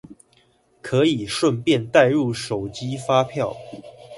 可以順便帶入手機發票